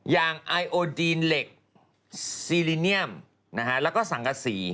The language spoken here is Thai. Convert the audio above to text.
อย่างไอโอจีนเหล็กซีลิเนียมแล้วก็สังกษี